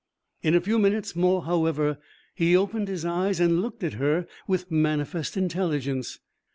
In a few minutes more, however, he opened his eyes and looked at her with manifest intelligence.